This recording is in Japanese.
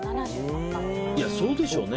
そうでしょうね。